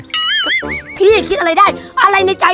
นี่มันร้ายจริง